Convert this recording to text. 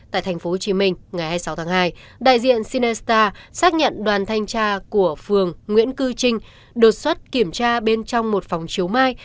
tại tp hcm ngày hai mươi sáu tháng hai đại diện cinesta xác nhận đoàn thanh tra của phường nguyễn cư trinh đột xuất kiểm tra bên trong một phòng chiếu mai